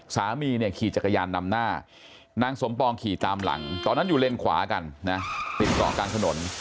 สามีเนี่ยขี่จักรยานนำหน้านางสมปองขี่ตามหลังตอนนั้นอยู่เลนขวากันนะติดเกาะกลางถนน